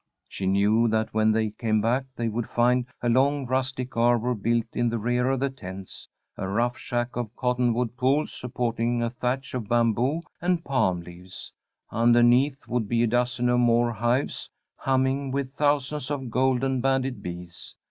She knew that when they came back they would find a long rustic arbour built in the rear of the tents a rough shack of cottonwood poles supporting a thatch of bamboo and palm leaves. Underneath would be a dozen or more hives, humming with thousands of golden banded bees.